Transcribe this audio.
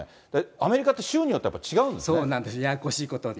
アメリカって州によって違うんでそうなんですね、ややこしいことに。